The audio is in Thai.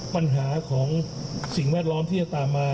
ปัญหาของสิ่งแวดล้อมที่จะตามมา